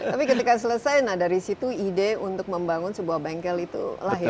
tapi ketika selesai nah dari situ ide untuk membangun sebuah bengkel itu lahir